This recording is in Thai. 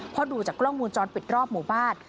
เพราะดูจากกล้องมูลจรปิดรอบหมู่บ้าน